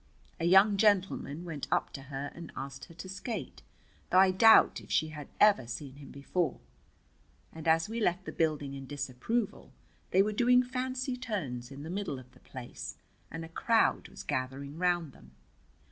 A young gentleman went up to her and asked her to skate, though I doubt if she had ever seen him before. And as we left the building in disapproval they were doing fancy turns in the middle of the place, and a crowd was gathering round them.